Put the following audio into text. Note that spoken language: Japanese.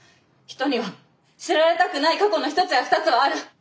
人には知られたくない過去の１つや２つはある。